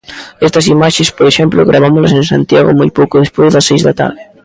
Estas imaxes, por exemplo, gravámolas en Santiago moi pouco despois das seis da tarde.